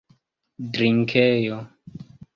drinkejo